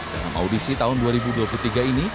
dalam audisi tahun dua ribu dua puluh tiga ini